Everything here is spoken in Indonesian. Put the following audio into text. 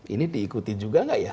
ini diikuti juga nggak ya